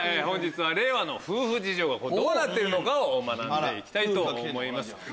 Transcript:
本日は令和の夫婦事情がどうなっているのかを学んで行きたいと思います。